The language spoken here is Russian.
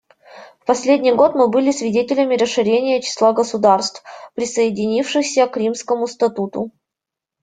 В последний год мы были свидетелями расширения числа государств, присоединившихся к Римскому статуту.